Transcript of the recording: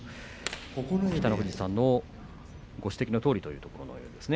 北の富士さんのご指摘どおりということですね。